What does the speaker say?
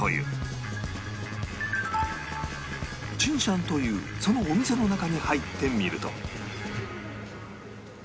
「ちんしゃん」というそのお店の中に入ってみると